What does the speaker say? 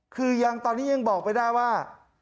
คือยังตอนนี้ยังบอกไม่ได้ว่า